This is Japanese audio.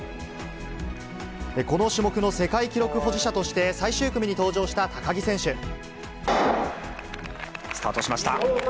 この種目の世界記録保持者として、最終組に登場した高木選手。スタートしました。